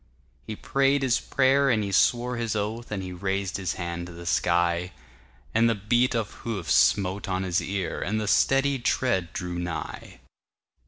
He prayed his prayer and he swore his oath, And he raised his hand to the sky; But the beat of hoofs smote on his ear, And the steady tread drew nigh.